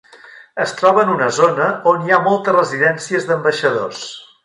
Es troba en una zona on hi ha moltes residències d'ambaixadors.